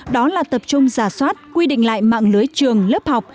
đó là tập trung giả soát quy định lại mạng lưới trường lớp học